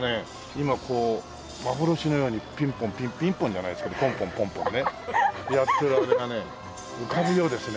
今こう幻のようにピンポンピンピンポンじゃないですけどポンポンポンポンねやってるあれがね浮かぶようですね。